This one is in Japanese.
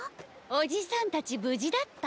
おじさんたちぶじだった？